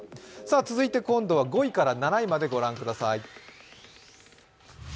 続いて今度は５位から７位まで御覧ください。